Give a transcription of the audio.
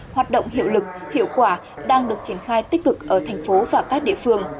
hoạt động hiệu lực hiệu quả đang được triển khai tích cực ở thành phố và các địa phương